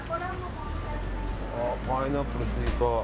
パイナップル、スイカ。